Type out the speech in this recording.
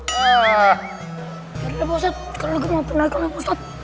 yaudah pak ustaz sekarang lagi maafin aja lah ustaz